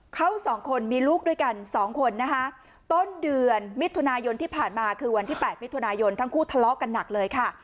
เขาสองคนมีลูกด้วยกันสองคนนะคะต้นเดือนมิถุนายนที่ผ่านมาคือวันที่๘มิถุนายนทั้งคู่ทะเลาะกันหนักเลยค่ะ